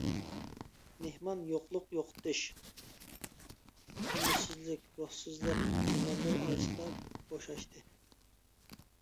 مېھمان يوقلۇق، يوقىتىش، ئۈمىدسىزلىك، روھسىزلىق تۇمانلىرى ئارىسىدا بوشاشتى!